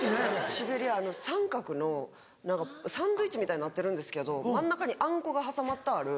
シベリア三角のサンドイッチみたいになってるんですけど真ん中にあんこが挟まってある。